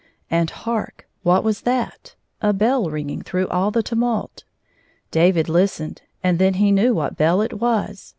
And hark ! What was that 1 A bell ringing through all the tumult. David listened, and then he knew what bell it was.